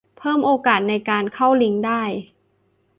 เพิ่มโอกาสในการเข้าลิงก์ได้